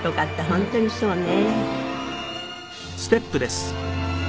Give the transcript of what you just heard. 本当にそうね。